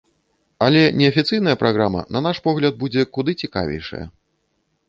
Але неафіцыйная праграма, на наш погляд, будзе куды цікавейшая.